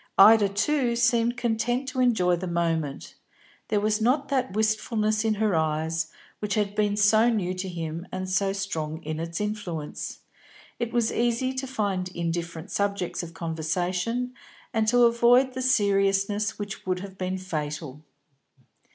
Ida, too, seemed content to enjoy the moment; there was not that wistfulness in her eyes which had been so new to him and so strong in its influence. It was easy to find indifferent subjects of conversation, and to avoid the seriousness which would have been fatal.